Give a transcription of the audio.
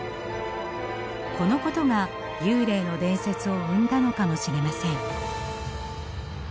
このことが幽霊の伝説を生んだのかもしれません。